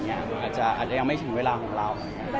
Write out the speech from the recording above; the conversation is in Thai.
อาจจะยังไม่ถึงเวลาของเรา